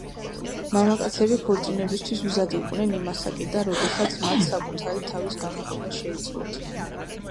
მამაკაცები ქორწინებისთვის მზად იყვნენ იმ ასაკიდან, როდესაც მათ საკუთარი თავის გამოკვება შეეძლოთ.